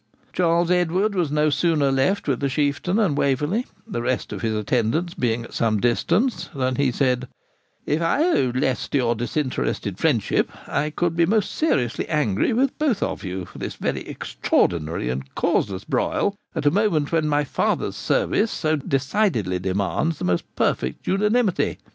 Charles Edward was no sooner left with the Chieftain and Waverley, the rest of his attendants being at some distance, than he said, 'If I owed less to your disinterested friendship, I could be most seriously angry with both of you for this very extraordinary and causeless broil, at a moment when my father's service so decidedly demands the most perfect unanimity.